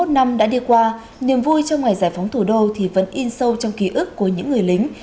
sáu mươi năm năm đã đi qua niềm vui trong ngày giải phóng thủ đô thì vẫn in sâu trong ký ức của những người lính